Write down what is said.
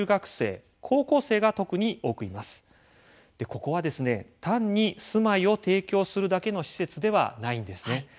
ここはですね単に住まいを提供するだけの施設ではないんですね。